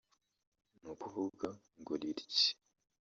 ni ukuvuga ngo Lil G